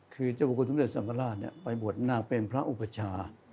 คือเจ้าประกุฎธุรกิจสังฆราชเนี่ยไปบวชนาเป็นพระอุปชา